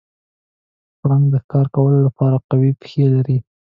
پړانګ د ښکار کولو لپاره قوي پښې لري.